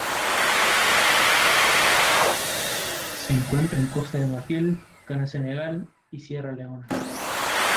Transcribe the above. Se encuentra en Costa de Marfil, Ghana Senegal y Sierra Leona.